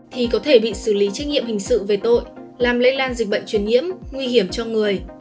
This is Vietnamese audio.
thì có thể bị xử lý trách nhiệm hình sự về tội làm lây lan dịch bệnh truyền nhiễm nguy hiểm cho người